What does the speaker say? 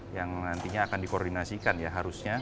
yang nantinya akan di koordinasikan ya harusnya